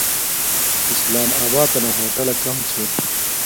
اسلام آباتنا ہوٹلہ کم چھے